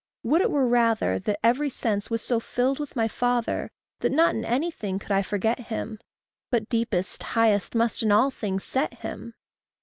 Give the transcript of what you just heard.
Would it were rather That every sense was so filled with my father That not in anything could I forget him, But deepest, highest must in all things set him!